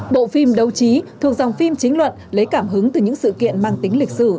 bộ phim đấu trí thuộc dòng phim chính luận lấy cảm hứng từ những sự kiện mang tính lịch sử